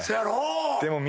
でも。